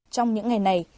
trong những ngày này